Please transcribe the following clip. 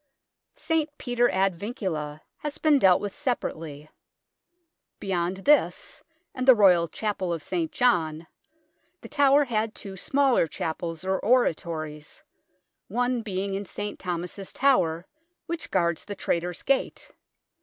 St. Peter ad Vincula has been dealt with ST. JOHN'S CHAPEL 139 separately. Beyond this and the Royal Chapel of St. John, The Tower had two smaller chapels or oratories, one being in St. Thomas's Tower, which guards the Traitors' Gate.